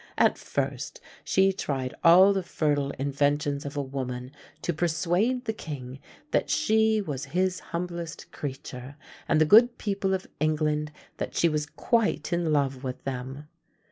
At first she tried all the fertile inventions of a woman to persuade the king that she was his humblest creature, and the good people of England that she was quite in love with them.